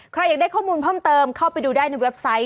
อยากได้ข้อมูลเพิ่มเติมเข้าไปดูได้ในเว็บไซต์